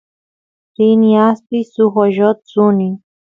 rini aspiy suk oyot suni